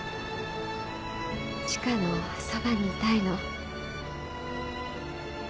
千賀のそばにいたいの。